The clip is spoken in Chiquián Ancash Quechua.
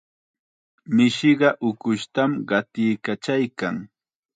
Mishiqa ukushtam qatiykachaykan.